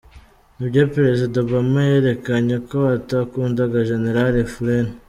"Ni byo perezida Obama yerekanye ko atakundaga jenerali Flynn.